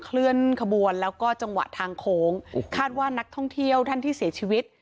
เคลื่อนขบวนแล้วก็จังหวะทางโค้งคาดว่านักท่องเที่ยวท่านที่เสียชีวิต